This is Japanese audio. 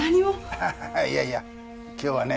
ああいやいや今日はね